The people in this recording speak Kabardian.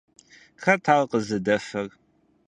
Хэт ар къызыдэфэр?